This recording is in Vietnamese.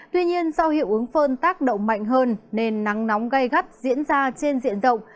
tuy nhiên do hiệu ứng phơn tác động mạnh hơn nên nắng nóng gây gắt diễn ra trên diện rộng